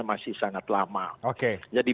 masih sangat lama jadi